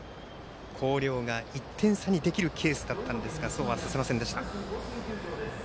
広陵が１点差にできるケースだったんですがそうはさせませんでした。